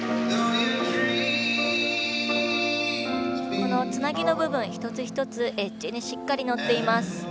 このつなぎの部分一つ一つエッジにしっかり乗っています。